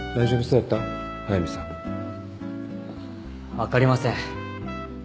分かりません。